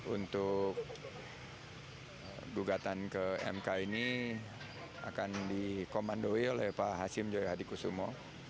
untuk gugatan ke mk ini akan dikomandoi oleh pak hashim joyo hadi kusumu